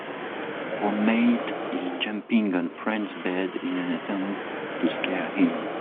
Roommate is jumping on friends bed in an attempt to scare him.